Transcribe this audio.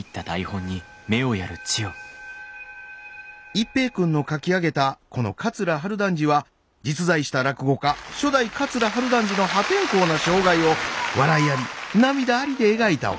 一平君の書き上げたこの「桂春団治」は実在した落語家初代桂春団治の破天荒な生涯を笑いあり涙ありで描いたお話です。